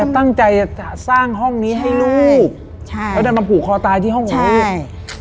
ตั้งใจจะสร้างห้องนี้ให้ลูกใช่แล้วดันมาผูกคอตายที่ห้องของลูกใช่